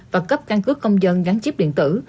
và cấp căn cứ công dân gắn chip điện tử